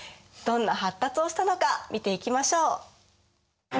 どんな発達をしたのか見ていきましょう！